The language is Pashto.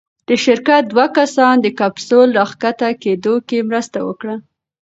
د شرکت دوه کسان د کپسول راښکته کېدو کې مرسته وکړه.